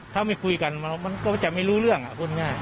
ถ้าไม่คุยกันมันก็จะไม่รู้เรื่องอ่ะคุณค่ะ